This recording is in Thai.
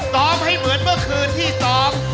ซ้อมให้เหมือนเมื่อคืนที่ซ้อม